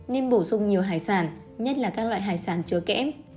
nên bổ sung nhiều hải sản nhất là các loại hải sản chứa kẽm